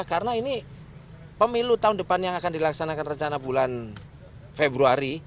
karena ini pemilu tahun depan yang akan dilaksanakan rencana bulan februari